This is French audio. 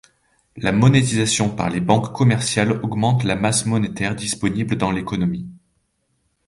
La monétisation par les banques commerciales augmente la masse monétaire disponible dans l'économie.